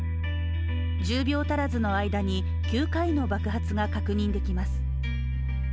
１０秒足らずの間に９回の爆発が確認できます。